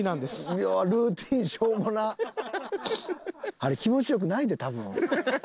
あれ気持ち良くないで多分。